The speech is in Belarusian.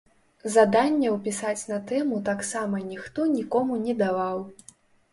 Заданняў пісаць на тэму таксама ніхто нікому не даваў.